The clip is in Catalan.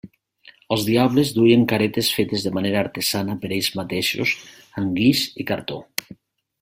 Els diables duien caretes fetes de manera artesana per ells mateixos amb guix i cartó.